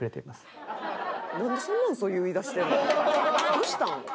どしたん？